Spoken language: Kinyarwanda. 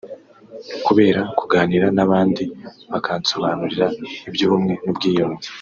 kubera kuganira n’abandi bakansobanurira iby’ubumwe n’ubwiyunge”